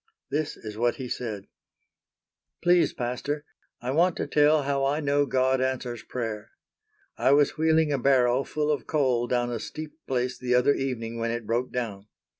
This is what he said: "Please, Pastor, I want to tell how I know God answers prayer. I was wheeling a barrow full of coal down a steep place the other evening when it broke down.